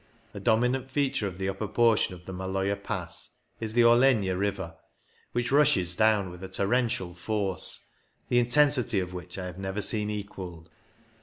'' A dominant feature of the upper portion of the Maloja Pass is the Orlegna river, which rushes down with a torrential force, the intensity of which I have never seen equalled.